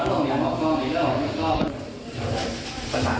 สุดท้าย